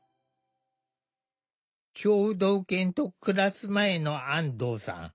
聴導犬と暮らす前の安藤さん。